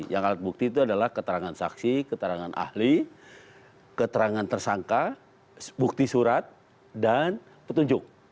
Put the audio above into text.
yang alat bukti itu adalah keterangan saksi keterangan ahli keterangan tersangka bukti surat dan petunjuk